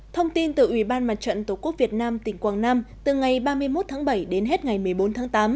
thông tin từ ủy ban mặt trận tổ quốc việt nam tỉnh quảng nam từ ngày ba mươi một tháng bảy đến hết ngày một mươi bốn tháng tám